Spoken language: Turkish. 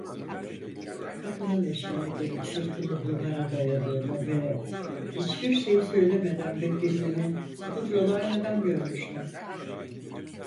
Kapının eşiğine gelip sırtını duvara dayadığını ve hiçbir şey söylemeden beklediğini pudralı aynada görmüştüm.